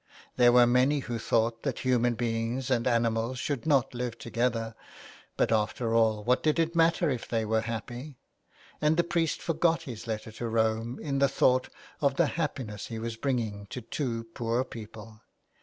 There were many who thought that human beings and animals should not live together ; but after all, what did it matter if they were happy ? And the priest forgot his letter to Rome in the thought of L96 A LETTER TO ROME. the happiness he was bringing to two poor people.